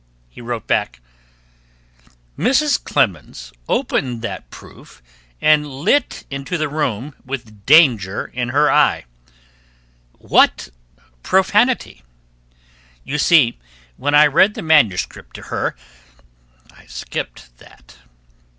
He wrote back: "Mrs. Clemens opened that proof, and lit into the room with danger in her eye. What profanity? You see, when I read the manuscript to her I skipped that."